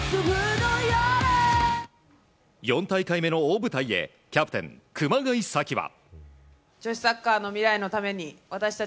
４大会目の大舞台へキャプテン熊谷紗希は。